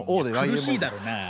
いや苦しいだろうなあ。